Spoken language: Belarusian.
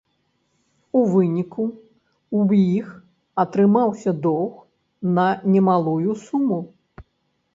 У выніку ў іх атрымаўся доўг на немалую суму.